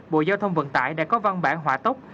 bộ giao thông vận tải đã có văn bản hỏa tốc